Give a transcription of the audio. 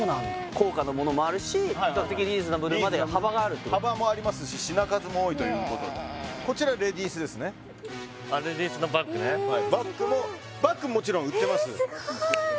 高価なものもあるし比較的リーズナブルまで幅があるってこと幅もありますし品数も多いということでこちらレディースのバッグねえすごいバッグもバッグももちろん売ってますえすごい！